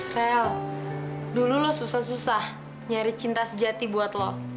real dulu lo susah susah nyari cinta sejati buat lo